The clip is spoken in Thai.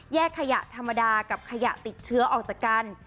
ขยะขยะธรรมดากับขยะติดเชื้อออกจากกัน